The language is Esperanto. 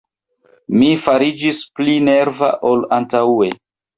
Mi fariĝis pli nerva ol antaŭe.